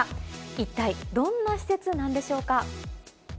一体どんな施設なんでしょうか。